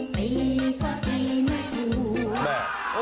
ไปก็ไปไม่สู้